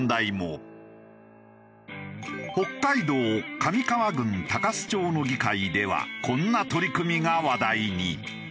北海道上川郡鷹栖町の議会ではこんな取り組みが話題に。